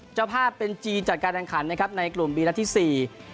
เจ้าภาพเป็นจีนจัดการแข่งขันนะครับในกลุ่มบีนัดที่สี่